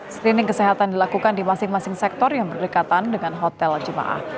screening kesehatan dilakukan di masing masing sektor yang berdekatan dengan hotel jemaah